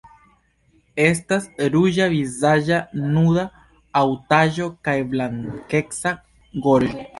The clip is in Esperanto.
Estas ruĝa vizaĝa nuda haŭtaĵo kaj blankeca gorĝo.